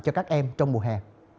cho các em trong mùa hè